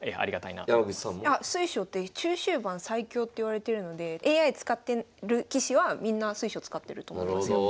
山口さんも？水匠って中終盤最強っていわれてるのでＡＩ使ってる棋士はみんな水匠使ってると思いますよ。